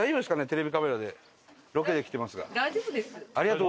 テレビカメラでロケで来てますが。